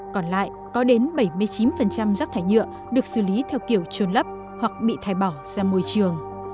còn lại có đến bảy mươi chín rác thải nhựa được xử lý theo kiểu trồn lấp hoặc bị thải bỏ ra môi trường